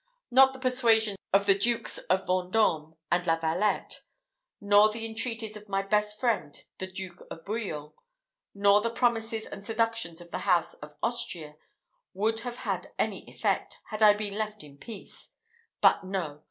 Not the persuasions of the Dukes of Vendome and La Valette, nor the entreaties of my best friend the Duke of Bouillon, nor the promises and seductions of the house of Austria, would have had any effect, had I been left at peace: but no!